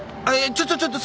ちょちょちょっと。